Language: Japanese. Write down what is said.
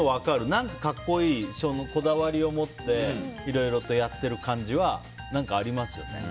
何か格好いい、こだわりを持っていろいろとやっている感じはありますよね。